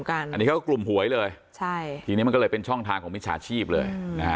อันนี้เขาก็กลุ่มหวยเลยทีนี้มันก็เลยเป็นช่องทางของมิจฉาชีพเลย